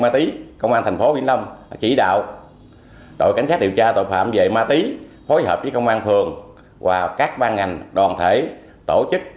tôi sẽ không nhận khách